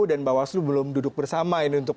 dan bawaslu belum duduk bersama ini untuk